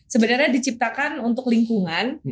sebenarnya diciptakan untuk lingkungan